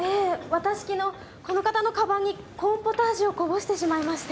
私昨日この方の鞄にコーンポタージュをこぼしてしまいまして。